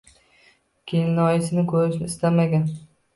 Kelinoyisini ko`rishni istamagan